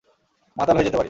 মাতাল হয়ে যেতে পারি।